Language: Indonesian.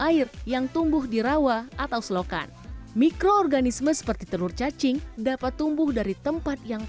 air yang tumbuh di rawa atau selokan mikroorganisme seperti telur cacing dapat tumbuh dari tempat yang